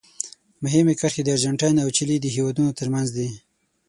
مهمې کرښې د ارجنټاین او چیلي د هېوادونو ترمنځ دي.